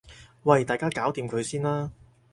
喂大家搞掂佢先啦